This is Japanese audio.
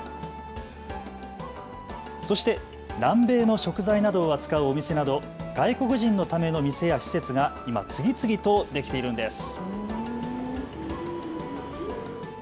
そして南米の食材などを扱うお店など外国人のための店や施設が今、次々とできているんです。